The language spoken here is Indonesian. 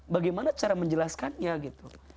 bagaimana cara menjelaskannya gitu